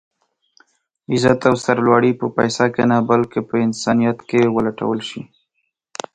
عزت او سر لوړي په پيسه کې نه بلکې په انسانيت کې ولټول شي.